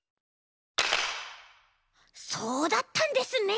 そうだったんですね。